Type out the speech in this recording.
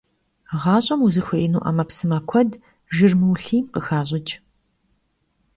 Ğaş'em vuzışıxuêinu 'emepsıme kued jjır mıulhiym khıxaş'ıç'.